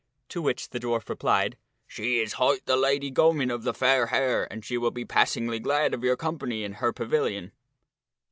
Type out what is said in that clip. To which the dwarf replied, " She is hight the Lady Gomyne of the Fair Hair, and she will be passingly glad of your company in her pavilion."